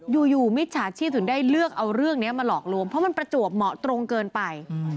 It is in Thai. มิจฉาชีพถึงได้เลือกเอาเรื่องนี้มาหลอกลวงเพราะมันประจวบเหมาะตรงเกินไป